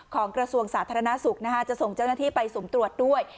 กระทรวงสาธารณสุขจะส่งเจ้าหน้าที่ไปสุ่มตรวจด้วย